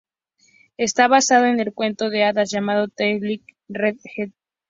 Está basado en el cuento de hadas llamado "The Little Red Hen".